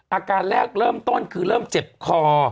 อาการแรกเริ่มต้นคือเริ่มเจ็บคอ